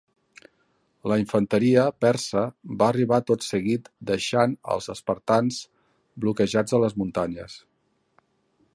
La infanteria persa va arribar tot seguit deixant els espartans bloquejats a les muntanyes.